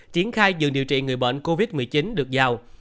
triển khai dường điều trị người bệnh covid một mươi chín được giao